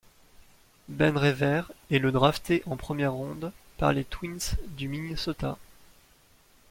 Ben Revere est le drafté en première ronde par les Twins du Minnesota.